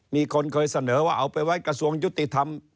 มีคนเคยเสนอว่าเอาไปไว้กระทรวงยุติธรรม